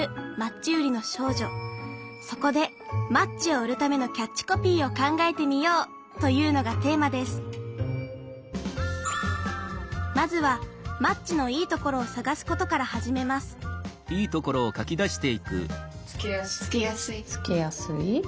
そこでマッチを売るためのキャッチコピーを考えてみようというのがテーマですまずはマッチのいいところを探すことから始めますつけやすい。